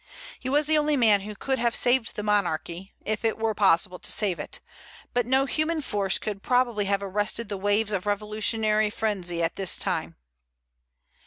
He was the only man who could have saved the monarchy, if it were possible to save it; but no human force could probably have arrested the waves of revolutionary frenzy at this time.